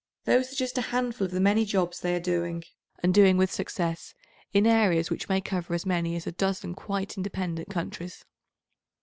Those are just a handful of the many jobs they are doing, and doing with success, in areas which may cover as many as a dozen quite independent countries.